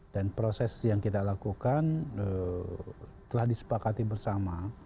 dan proses yang kita lakukan telah disepakati bersama